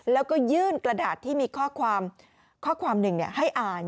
แล้วก็ยื่นกระดาษที่มีข้อความข้อความหนึ่งให้อ่าน